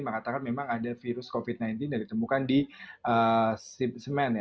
memang katakan memang ada virus covid sembilan belas yang ditemukan di semen ya